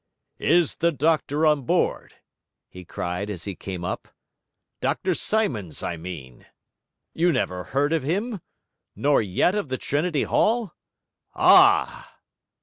'Is the doctor on board?' he cried as he came up. 'Dr Symonds, I mean? You never heard of him? Nor yet of the Trinity Hall? Ah!'